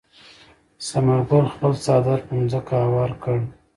ثمر ګل خپل څادر پر ځمکه هوار کړ.